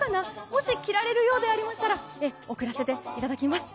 もし着られるようでありましたら送らせていただきます。